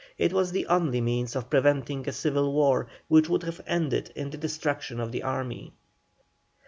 It was the only means of preventing a civil war, which would have ended in the destruction of the army.